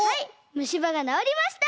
むしばがなおりました！